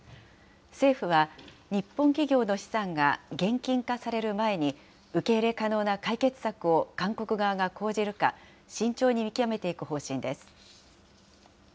政府は、日本企業の資産が現金化される前に、受け入れ可能な解決策を韓国側が講じるか、慎重に見極めていく方針です。